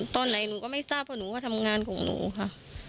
ทำงานก็ไม่ได้อยู่ด้วยกันตลอดไม่เชื่อค่ะ